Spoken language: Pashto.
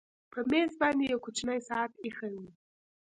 په مېز باندې یو کوچنی ساعت ایښی و